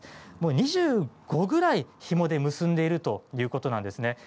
２５ぐらい、ひもで結んでいるということなんですね。